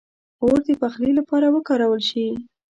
• اور د پخلي لپاره وکارول شو.